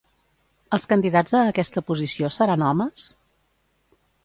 Els candidats a aquesta posició seran homes?